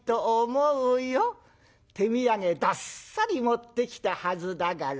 手土産どっさり持ってきたはずだからね